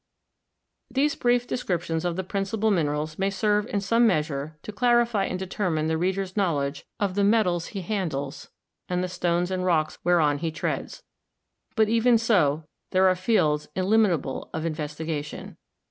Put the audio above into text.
These brief descriptions of the principal minerals may serve in some measure to clarify and determine the reader's knowledge of the metals he handles and the stones and rocks whereon he treads, but even so there are fields il limitable of investigation.